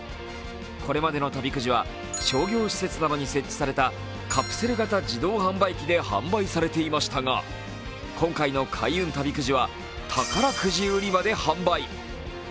これまでの旅くじは商業施設などに設置されたカプセル型自動販売機で販売されていましたが今回の開運旅くじは、宝くじ売り場で販売。